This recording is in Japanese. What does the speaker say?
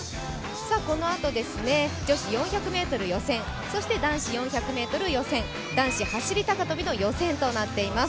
このあと女子４００ｍ予選そして男子４００ｍ予選、男子走高跳の予選となっています。